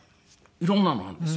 いろんなのあるんですよ。